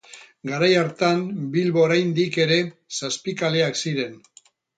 Garai hartan, Bilbo oraindik ere Zazpikaleak ziren.